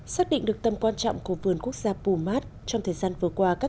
xác định được tầm quan trọng của vườn quốc gia pumat trong thời gian vừa qua